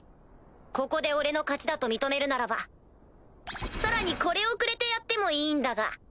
ここで俺の勝ちだと認めるならばさらにこれをくれてやってもいいんだが。